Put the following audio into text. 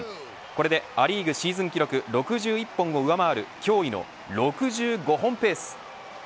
これで、ア・リーグシーズン記録６１本を上回る驚異の６５本ペース。